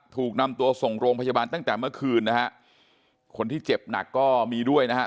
ถูกนำตัวส่งโรงพยาบาลตั้งแต่เมื่อคืนนะฮะคนที่เจ็บหนักก็มีด้วยนะฮะ